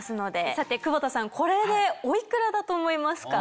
さて久保田さんこれでおいくらだと思いますか？